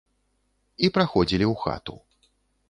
І праходзілі ў хату.